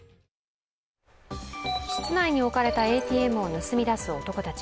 室内の置かれたＡＴＭを盗み出す男たち。